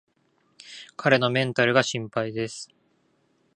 彼のメンタルが心配です